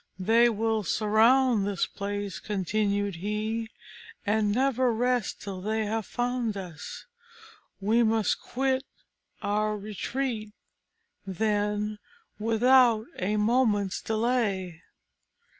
"They will surround this place," continued he, "and never rest till they have found us; we must quit our retreat, then, without a moment's delay."